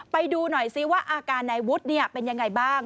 ไปดูหน่อยซิว่าอาการนายวุฒิเป็นยังไงบ้าง